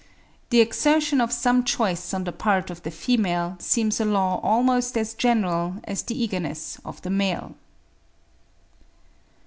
The exertion of some choice on the part of the female seems a law almost as general as the eagerness of the male.